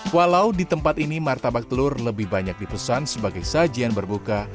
walau di tempat ini martabak telur lebih banyak dipesan sebagai sajian berbuka